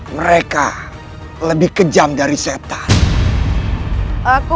mereka lebih kejam dari setan